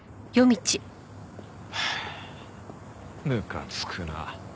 むかつくな。